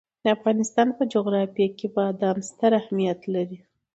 د افغانستان په جغرافیه کې بادام ستر اهمیت لري.